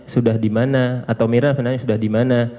sudah dimana atau mirna menanya sudah dimana